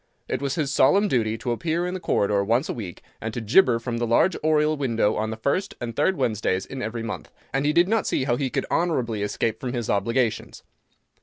It was his solemn duty to appear in the corridor once a week, and to gibber from the large oriel window on the first and third Wednesdays in every month, and he did not see how he could honourably escape from his obligations.